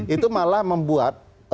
itu malah membuat